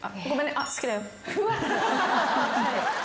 あっ好きだよ」